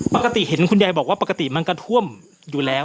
ปกติเห็นคุณยายบอกว่าปกติมันก็ท่วมอยู่แล้ว